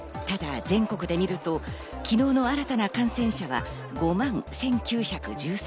ただ全国で見ると昨日の新たな感染者は５万１９１３人。